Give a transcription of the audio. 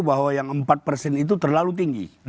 bahwa yang empat persen itu terlalu tinggi